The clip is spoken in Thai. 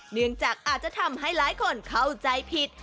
เนื่องจากอาจจะทำให้หลายคนเข้าใจผิด